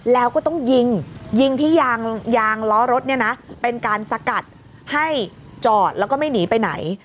แล้วก็ต้องยิงยิงที่ยางล้อรถเนี่ยนะเป็นการสกัดให้จอดแล้วก็ไม่หนีไปไหน